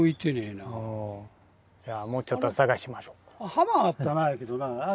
浜はあったなあやけどな